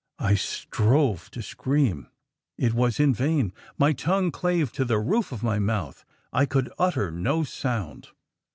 I strove to scream it was in vain; my tongue clave to the roof of my mouth; I could utter no sound.